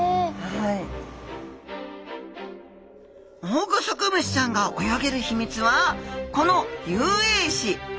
オオグソクムシちゃんが泳げる秘密はこの遊泳肢。